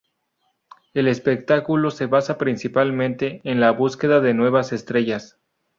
El espectáculo se basa principalmente en la búsqueda de nuevas estrellas.